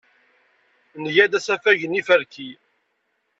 Nga-d asafag n yiferki.